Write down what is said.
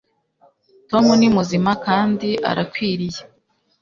tom ni muzima kandi arakwiriye